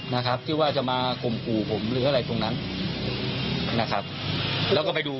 นะครับที่ว่าจะมาข่มขู่ผมหรืออะไรตรงนั้นนะครับแล้วก็ไปดู